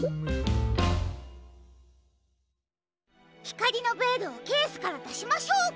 ひかりのベールをケースからだしましょう！